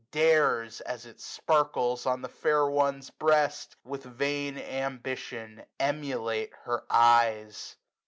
Dares, as it sparkles on the fair one's breast, 145 With vain ambition emulate her eyes.